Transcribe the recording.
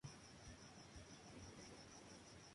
El piloto y el pasajero se sentaban en tándem.